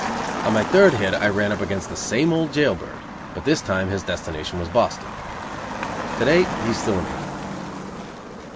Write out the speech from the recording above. On my third hit I ran up against the same old jail bird, but this time his destination was Boston. To day he is still in prison.